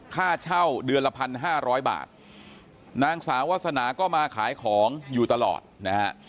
ค่าเช่าเดือนละพันห้าร้อยบาทนางสาววาสนาก็มาขายของอยู่ตลอดนะฮะ